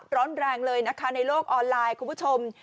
ร้อนแรงเลยนะคะในโลกออนไลน์คุณผู้ชม